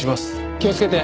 気をつけて。